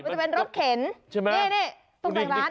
มันก็เป็นรถเข็นนี่ตกแต่งร้าน